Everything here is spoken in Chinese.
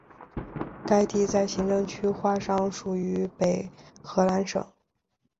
该地在行政区划上属于北荷兰省。